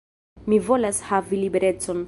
Mi volas havi liberecon.